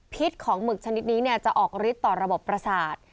ของหมึกชนิดนี้จะออกฤทธิ์ต่อระบบประสาท